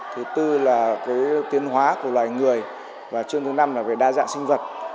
thứ tư là cái tiến hóa của loài người và chương thứ năm là về đa dạng sinh vật